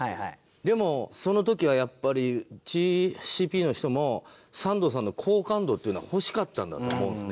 でもその時はやっぱりＣＰの人もサンドさんの好感度っていうのは欲しかったんだと思うのね。